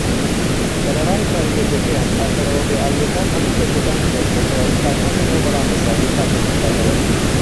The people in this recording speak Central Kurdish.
سەرەڕای کاریگەریەکەیان، پاکەرەوە بێ ئاویەکان هەموو بەشەکانی دەست بەتەواوی پاکناکەنەوە بەڵام بەسادەیی پاکیان دەکاتەوە.